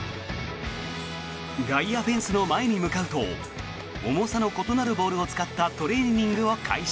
外野フェンスの前に向かうと重さの異なるボールを使ったトレーニングを開始。